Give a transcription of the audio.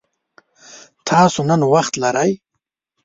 تاسو نن وخت لری؟